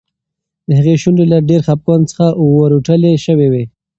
د هغې شونډې له ډېر خپګان څخه ورټولې شوې وې.